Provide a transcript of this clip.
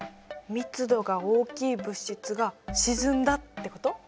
密度が大きい物質が沈んだってこと？